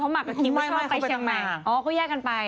เพราะมาร์คกับคิมไม่ชอบไปเชียงใหม่เขาแยกกันไป